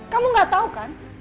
kamu gak tahu kan